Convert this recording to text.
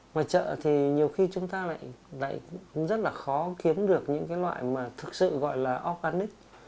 ngoài chợ thì nhiều khi chúng ta lại rất là khó kiếm được những cái loại mà thực sự gọi là organic